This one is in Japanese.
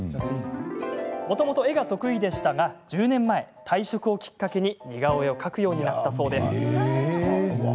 もともと絵が得意でしたが１０年前、退職をきっかけに似顔絵を描くようになったそうです。